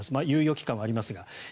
猶予期間はありますが。